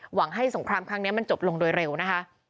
หวังให้สงครามครั้งนี้มันจบลงโดยเร็วนะคะ